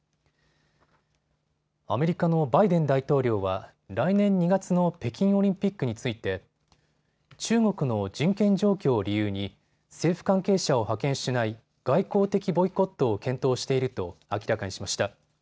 アメリカのバイデン大統領は来年２月の北京オリンピックについて中国の人権状況を理由に政府関係者を派遣しない外交的ボイコットを検討していると明らかにしました。